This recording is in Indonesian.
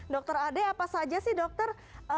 dr ade apa saja sih dokter